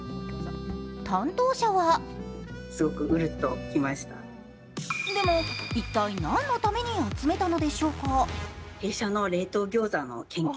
担当者はでも、一体何のために集めたのでしょうか。